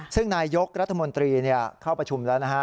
ซึ่งนายยกรัฐมนตรีเข้าประชุมแล้วนะฮะ